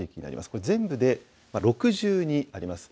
これ、全部で６２あります。